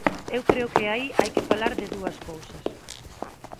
Eu creo que aí hai que falar de dúas cousas.